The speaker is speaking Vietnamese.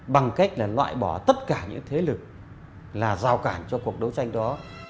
bằng cách là loại bỏ tất cả những thế lực là rào cản cho cuộc đấu tranh đó